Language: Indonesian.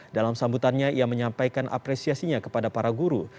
dalam sambutannya ia menyampaikan apresiasinya kepada para guru